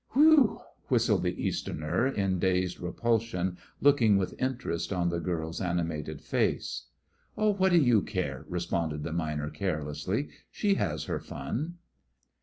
"Whew!" whistled the Easterner, in dazed repulsion, looking with interest on the girl's animated face. "Oh, what do you care!" responded the miner, carelessly. "She has her fun."